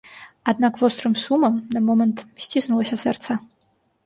Аднак вострым сумам на момант сціснулася сэрца.